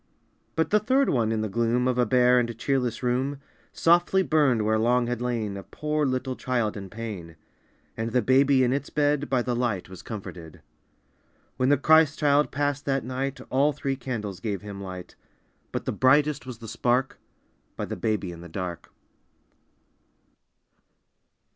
But the third one in the gloom Of a bare and cheerless room Softly burned where long had lain A poor little child in pain, And the baby in its bed By the light was comforted. When the Christ child passed that night All three candles gave Him light, But the brightest was the spark By the baby in the dark.